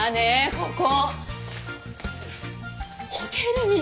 ここ。